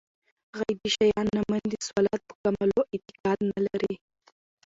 غيبي شيان نه مني، د صلوة په قائمولو اعتقاد نه لري